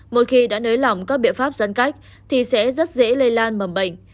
mỗi khi đã nới lỏng các biện pháp giãn cách thì sẽ rất dễ lây lan mầm bệnh